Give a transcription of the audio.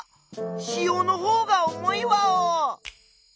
しおのほうが重いワオ！